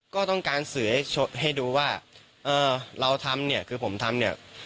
ก็ต้องการสื่อให้ดูว่าเราทำเนี่ยคือผมทำเนี่ย